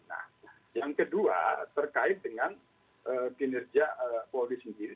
nah yang kedua terkait dengan kinerja polri sendiri